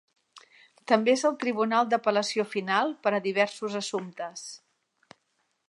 També és el tribunal d'apel·lació final per a diversos assumptes.